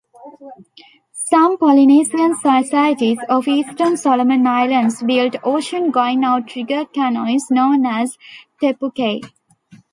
Some Polynesian societies of eastern Solomon Islands built ocean-going outrigger canoes known as Tepukei.